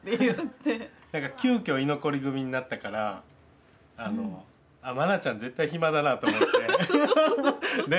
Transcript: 急きょ居残り組になったから愛ちゃん絶対暇だなと思って。